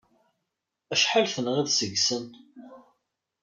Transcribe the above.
Acḥal tenɣiḍ seg-sen?